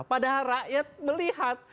padahal rakyat melihat